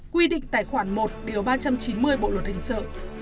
quy định tài khoản một điều ba trăm chín mươi bộ luật hình sự